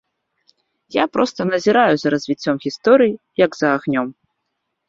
Я проста назіраю за развіццём гісторыі, як за агнём.